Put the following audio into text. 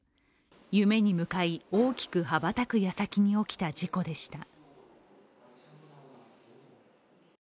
夢に向かい、大きく羽ばたく矢先に起きた事故でした。